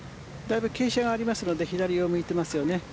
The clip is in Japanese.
だいぶ傾斜がありますので左を向いていますよね。